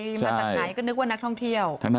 มาจากไหนก็นึกว่านักท่องเที่ยว